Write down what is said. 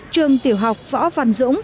trường tiểu học võ văn dũng